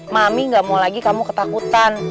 mami gak mau lagi kamu ketakutan